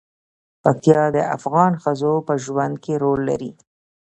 پکتیا د افغان ښځو په ژوند کې رول لري.